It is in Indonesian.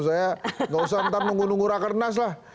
saya gak usah nunggu nunggu rakernas lah